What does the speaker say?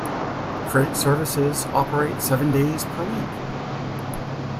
Freight services operate seven days per week.